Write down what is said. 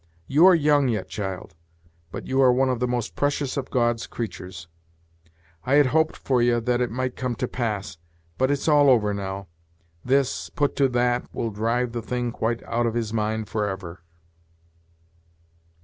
You are young yet, child, but you are one of the most precious of God's creatures. I had hoped for ye that it might come to pass, but it's all over now; this, put to that, will drive the thing quite out of his mind for ever."